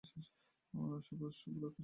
শুভ্র কেশ আমার বেশ পছন্দ।